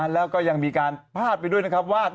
แล้วก็ยังมีการพาดไปด้วยนะครับว่า